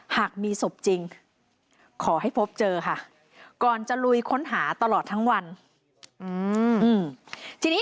หากมีศพจริงขอให้พบเจอค่ะก่อนจะลุยค้นหาตลอดทั้งวัน